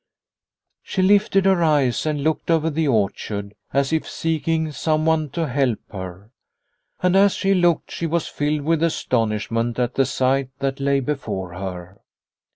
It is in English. She lifted her eyes and looked over the orchard, as if seeking someone to help her. And as she looked, she was filled with astonishment at the sight that lay before her.